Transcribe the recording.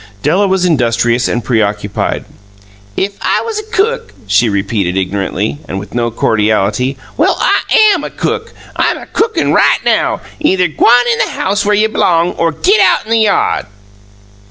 Della was industrious and preoccupied. "If I was a cook!" she repeated ignorantly, and with no cordiality. "Well, I AM a cook. I'm a cookin' right now. Either g'wan in the house where y'b'long, or git out in th' yard!"